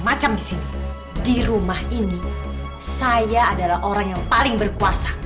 mama sabar ya dek